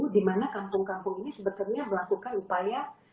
dimana kampung kampung ini sebenarnya melakukan upaya